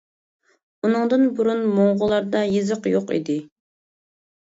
ئۇنىڭدىن بۇرۇن موڭغۇللاردا يېزىق يوق ئىدى.